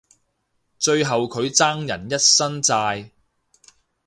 最後佢爭人一身債